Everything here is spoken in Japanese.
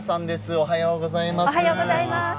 おはようございます。